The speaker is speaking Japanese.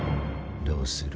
どうする？